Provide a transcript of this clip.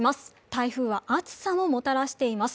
台風は暑さももたらしています。